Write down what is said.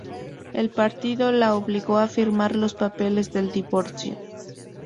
El partido la obligó a firmar los papeles del divorcio.